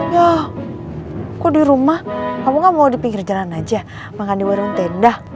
ya kok di rumah kamu kan mau di pinggir jalan aja makan di warung tenda